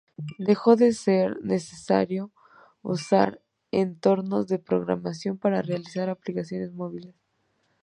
Dejó de ser necesario usar entornos de programación para realizar aplicaciones móviles.